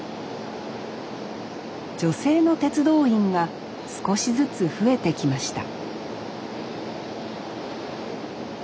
女性の鉄道員が少しずつ増えてきました